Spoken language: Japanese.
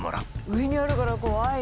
上にあるから怖い！